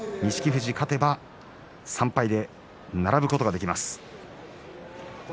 富士、勝てば３敗で並ぶことができます。